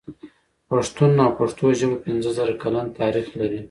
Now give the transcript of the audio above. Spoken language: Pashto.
پښتون او پښتو ژبه پنځه زره کلن تاريخ لري.